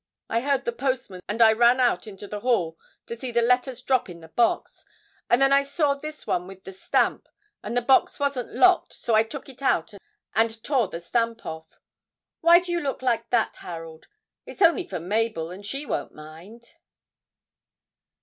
I heard the postman, and I ran out into the hall to see the letters drop in the box, and then I saw this one with the stamp, and the box wasn't locked, so I took it out and tore the stamp off. Why do you look like that, Harold? It's only for Mabel, and she won't mind.'